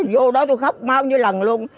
vô đó tôi khóc bao nhiêu lần luôn